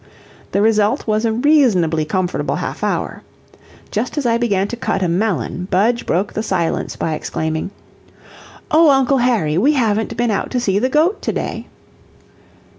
The result was a reasonably comfortable half hour. Just as I began to cut a melon, Budge broke the silence by exclaiming: "O Uncle Harry, we haven't been out to see the goat to day!"